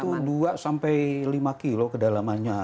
itu dua sampai lima kilo kedalamannya